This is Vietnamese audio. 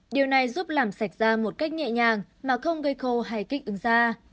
điều này giúp làm sạch da một cách nhẹ nhàng mà không gây khô hay kích ứng da